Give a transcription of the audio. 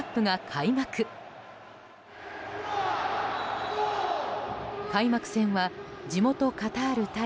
開幕戦は地元カタール対